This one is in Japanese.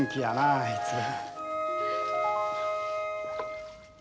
あいつら。